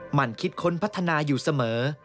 มันคิดค้นพัฒนาอยู่เสมอ